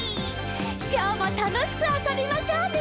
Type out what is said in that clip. きょうもたのしくあそびましょうね！